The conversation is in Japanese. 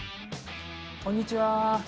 こんにちは。